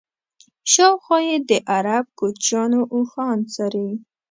شاوخوا یې د عرب کوچیانو اوښان څري.